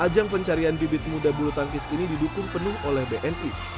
ajang pencarian bibit muda bulu tangkis ini didukung penuh oleh bni